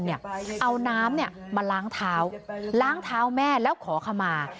เอาน้ำมาล้างเท้าล้างเท้าแม่แล้วขอขมา